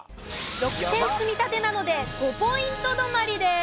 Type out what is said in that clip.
６点積み立てなので５ポイント止まりです。